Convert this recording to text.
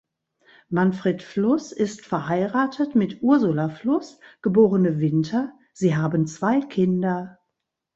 Manfred Fluß ist verheiratet mit Ursula Fluß, geborene Winter; sie haben zwei Kinder.